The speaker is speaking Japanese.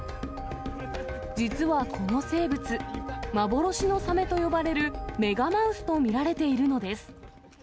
実はこの生物、幻のサメと呼ばれるメガマウスと見られているのです。